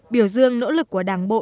biểu dương nỗ lực của đảng bộ